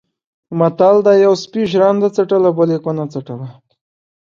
متل دی: یوه سپي ژرنده څټله بل یې کونه څټله.